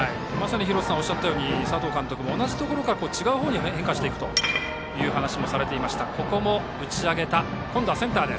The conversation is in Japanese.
廣瀬さんがおっしゃったように佐藤監督も同じところから違うところに変化するという話をされていました。